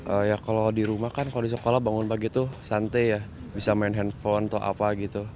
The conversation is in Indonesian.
apa komentar mereka menghadapi keseharian ini